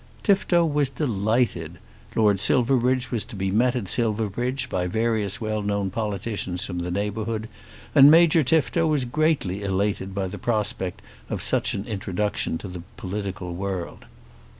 Tifto was delighted. Lord Silverbridge was to be met at Silverbridge by various well known politicians from the neighbourhood, and Major Tifto was greatly elated by the prospect of such an introduction into the political world.